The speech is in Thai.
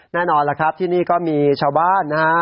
แน่นอนล่ะครับที่นี่ก็มีชาวบ้านนะฮะ